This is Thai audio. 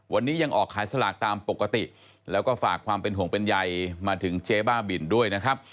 วันนี้ยังออกขายสลากตามปกติแล้วก็ฝากความเป็นห่วงเป็นใยมาถึงเจ๊บ้าบินด้วยนะครับ